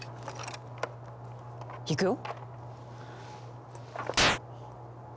いくよ？